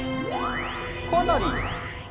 かなり。